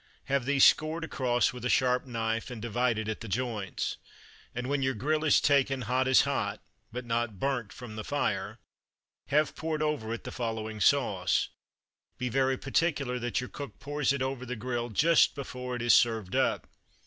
Have these scored across with a sharp knife, and divided at the joints. And when your grill is taken, "hot as hot," but not burnt, from the fire, have poured over it the following sauce. Be very particular that your cook pours it over the grill just before it is served up.